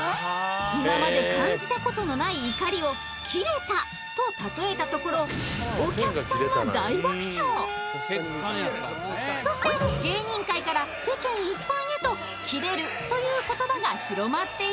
今まで感じたことのない怒りを「キレた」とたとえたところそして芸人界から世間一般へと「キレる」という言葉が広まっていったそうです！